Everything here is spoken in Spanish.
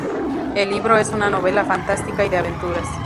El libro es una novela fantástica y de aventuras.